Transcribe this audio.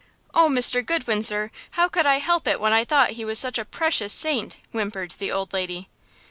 "Oh, Mr. Goodwin, sir, how could I help it when I thought he was such a precious saint?" whimpered the old lady.